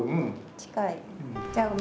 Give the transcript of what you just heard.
近い。